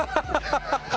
ハハハハ！